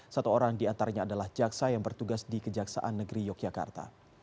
satu orang diantaranya adalah jaksa yang bertugas di kejaksaan negeri yogyakarta